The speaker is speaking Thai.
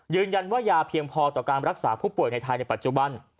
ยายาเพียงพอต่อการรักษาผู้ป่วยในไทยในปัจจุบัน